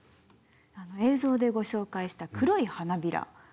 映像でご紹介した「黒い花びら」。